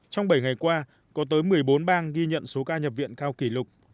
trong bảy ngày qua có tới một mươi bốn bang ghi nhận số ca nhập viện cao kỷ lục